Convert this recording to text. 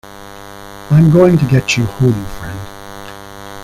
I'm going to get you home, friend.